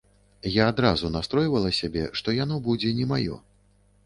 Я адразу настройвала сябе, што яно будзе не маё.